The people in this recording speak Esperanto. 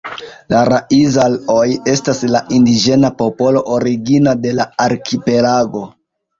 La Raizal-oj estas la indiĝena popolo origina de la arkipelago.